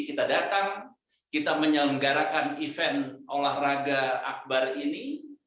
kita datang kita menyelenggarakan event olahraga akbar ini